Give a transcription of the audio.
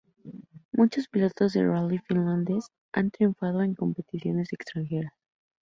Muchos pilotos de rally finlandeses han triunfado en competiciones extranjeras.